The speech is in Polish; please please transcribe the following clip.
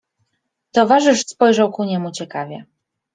Towarzysz spojrzał ku niemu ciekawie.